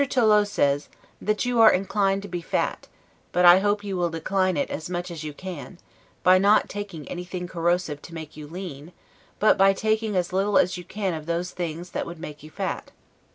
Tollot says, that you are inclined to be fat, but I hope you will decline it as much as you can; not by taking anything corrosive to make you lean, but by taking as little as you can of those things that would make you fat.